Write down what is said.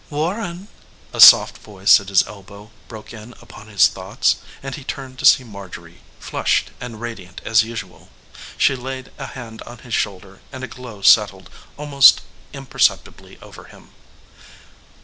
"Warren" a soft voice at his elbow broke in upon his thoughts, and he turned to see Marjorie, flushed and radiant as usual. She laid a hand on his shoulder and a glow settled almost imperceptibly over him.